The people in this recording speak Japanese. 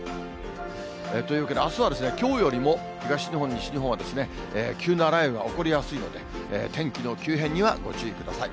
というわけで、あすはきょうよりも東日本、西日本は、急な雷雨が起こりやすいので、天気の急変にはご注意ください。